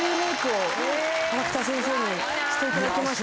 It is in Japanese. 河北先生にしていただきました。